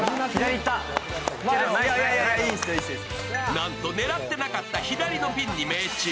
なんと狙っていなかった左のピンに命中。